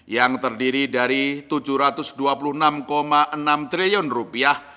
yang terdiri dari tujuh ratus dua puluh enam enam triliun rupiah